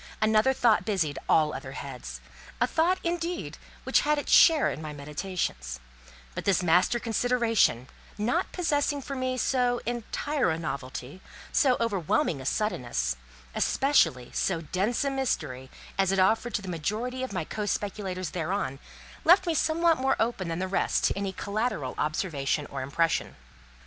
Another thought busied all other heads; a thought, indeed, which had its share in my meditations; but this master consideration, not possessing for me so entire a novelty, so overwhelming a suddenness, especially so dense a mystery, as it offered to the majority of my co speculators thereon, left me somewhat more open than the rest to any collateral observation or impression.